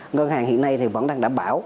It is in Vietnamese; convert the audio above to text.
ngân hàng hiện nay thì vẫn đang đảm bảo